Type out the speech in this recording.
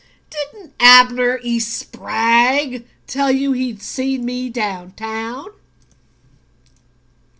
Didn't Abner E. Spragg tell you he'd seen me down town?"